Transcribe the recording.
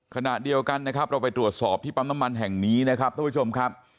ขณะเดียวกันนะครับเราไปตรวจสอบที่ปั๊มน้ำมันแห่งนี้นะครับท่านผู้ชมครับ